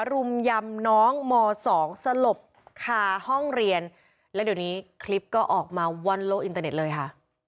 รุมยำน้องม๒สลบคาห้องเรียนแล้วเดี๋ยวนี้คลิปก็ออกมาวันโลกอินเตอร์เน็ตเลยค่ะ